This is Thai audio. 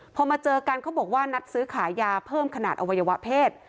พอมาเจอกันเขาบอกว่านัดซื้อขายยาเพิ่มขนาดอวัยวะเพศ